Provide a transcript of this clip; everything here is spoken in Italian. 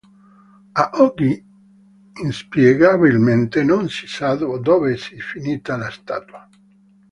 A oggi, inspiegabilmente non si sa dove sia finita la statua.